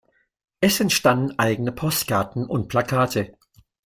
Es entstanden eigene Postkarten und Plakate.